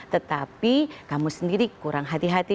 tetapi kamu sendiri kurang hati hati